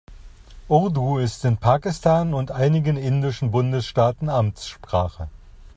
Urdu ist in Pakistan und einigen indischen Bundesstaaten Amtssprache.